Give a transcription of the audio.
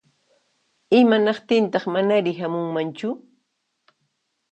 Imanaqtintaq manari hamunmanchu?